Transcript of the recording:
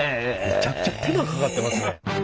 めちゃくちゃ手間かかってますね。